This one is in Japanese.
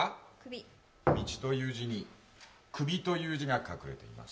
道という字に首という字が隠れています。